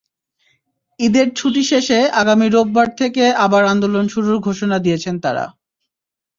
ঈদের ছুটি শেষে আগামী রোববার থেকে আবার আন্দোলন শুরুর ঘোষণা দিয়েছেন তাঁরা।